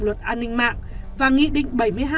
luật an ninh mạng và nghị định